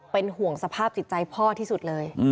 เป็นห่วงสภาพจิตใจพ่อที่สุดเลย